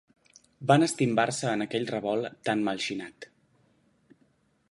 Van estimbar-se en aquell revolt tan mal xinat.